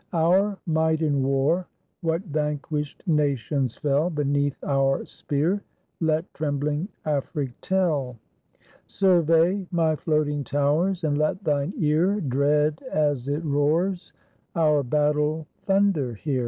Our might in war, what vanquish 'd nations fell Beneath our spear, let trembling Afric tell; Survey my floating towers, and let thine ear, Dread as it roars, our battle thunder hear.